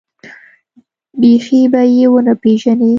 بيخي به يې ونه پېژنې.